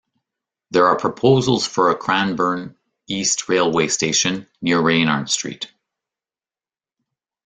There are proposals for a Cranbourne East railway station near Reynard Street.